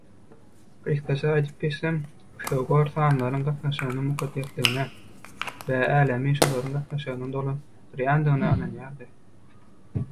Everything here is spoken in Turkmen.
Gysgaça aýdyp geçsem, Pifagor sanlaryň gatnaşygynyň mukaddesdigine we älemi şolaryň gatnaşygynyň dolandyrýandygyna ynanýardy.